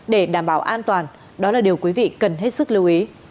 để đảm bảo an toàn đó là điều quý vị cần hết sức lưu ý